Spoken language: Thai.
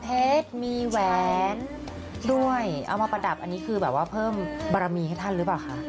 เพชรมีแหวนด้วยเอามาประดับอันนี้คือแบบว่าเพิ่มบารมีให้ท่านหรือเปล่าคะ